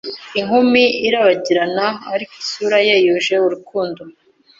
inkumi irabagiranaAriko isura ye yuje urukundo